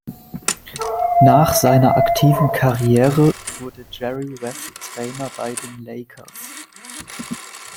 Nach seiner aktiven Karriere wurde Jerry West Trainer bei den Lakers.